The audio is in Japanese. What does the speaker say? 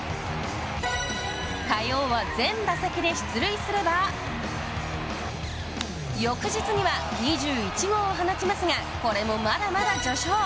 火曜は全打席で出塁すれば翌日には２１号を放ちますがこれもまだまだ序章。